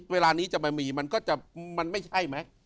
เวลานี้จะมามีมันก็จะมันไม่ใช่ไหม